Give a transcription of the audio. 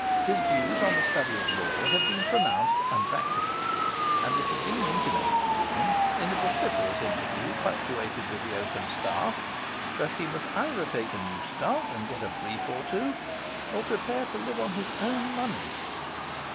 His views on the study of law had been pronounced unpractical; and it had been intimated to him, in a vociferous interview punctuated with the oaken staff, that he must either take a new start and get a brief or two, or prepare to live on his own money.